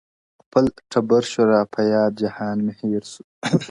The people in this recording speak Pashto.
خپل ټبرشو را په یاد جهان مي هیر سو-